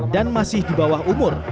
dan masih di bawah umur